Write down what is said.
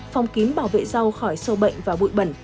phòng kín bảo vệ rau khỏi sâu bệnh và bụi bẩn